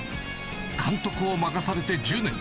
監督を任されて１０年。